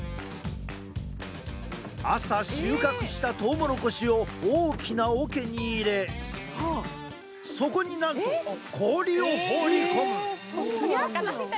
朝収穫した、とうもろこしを大きなおけに入れそこに、なんと氷を放り込む！